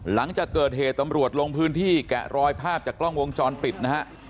หลังจากเกิดเหตุตำรวจลงพื้นที่แกะรอยภาพจากกล้องวงจรปิดนะฮะ